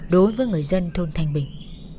đối với người dân thôn thành bình